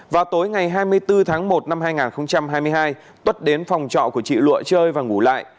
vào tối ngày hai mươi bốn tháng một năm hai nghìn hai mươi hai tuất đến phòng trọ của chị lụa chơi và ngủ lại